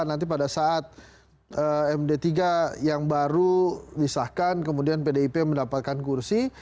nanti pada saat md tiga yang baru disahkan kemudian pdip mendapatkan kursi